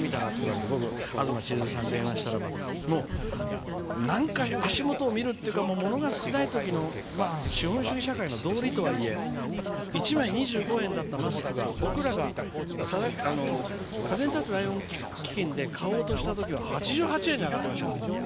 って僕、東ちづるさんに電話したならば何回も足元を見るというか物が少ないときの資本主義社会の道理とはいえ１枚２５円だったマスクが僕らが風に立つライオン基金で買おうとしたときは８８円で上がってました。